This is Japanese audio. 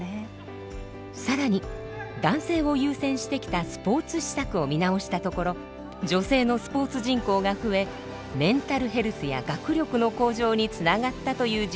更に男性を優先してきたスポーツ施策を見直したところ女性のスポーツ人口が増えメンタルヘルスや学力の向上につながったという自治体もあります。